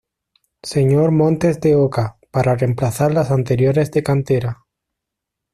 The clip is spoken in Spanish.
Sr. Montes de Oca, para remplazar las anteriores de cantera.